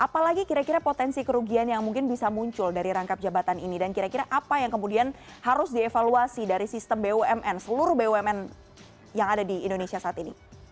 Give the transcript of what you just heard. apalagi kira kira potensi kerugian yang mungkin bisa muncul dari rangkap jabatan ini dan kira kira apa yang kemudian harus dievaluasi dari sistem bumn seluruh bumn yang ada di indonesia saat ini